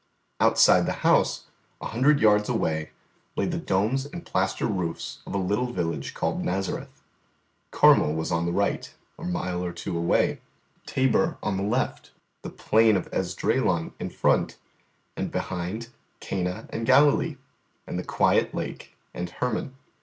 Outside the house, a hundred yards away, lay the domes and plaster roofs of a little village called Nazareth; Carmel was on the right, a mile or two away, Thabor on the left, the plain of Esdraelon in front; and behind, Cana and Galilee, and the quiet lake, and Hermon.